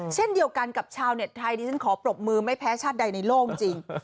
เช่นเดียวกันกับชาวเน็ตไทยที่ฉันขอปรบมือไม่แพ้ชาติใดในโลกจริง